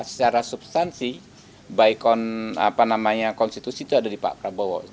secara substansi konstitusi itu ada di pak prabowo